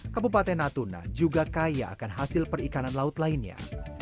kabupaten natuna juga kaya akan hasil perikanan laut lainnya